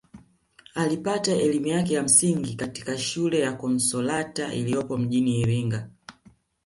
Alipata elimu yake ya msingi katika shule ya Consalata iliyopo mjini Iringa